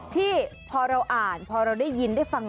ที่พอเราอ่านพอเราได้ยินได้ฟัง